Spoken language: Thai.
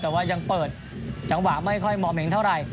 แต่ว่ายังเปิดจังหวะไม่ค่อยมอมเองเท่าไหร่